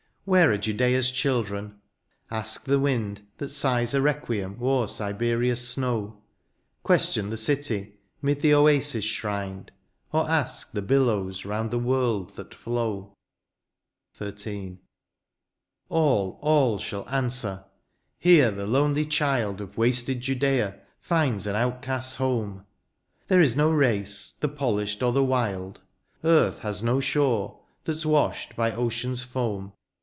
Where are Judea^s children ? Ask the wind That sighs a requiem o^er Siberia's snow. Question the city, 'mid the Oasis shrined, Or ask the billows round the world that flow. XIII. AU, all shall answer, " Here the lonely child Of wasted Judea finds an outcast's home :" There is no race, the polished or the wild. Earth has no shore, thaf s washedby ocean'sfoam.